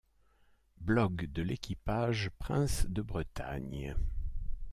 Blog de l'équipage Prince de Bretagne.